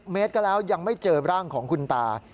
เมตรก็แล้วยังไม่เจอร่างของคุณตา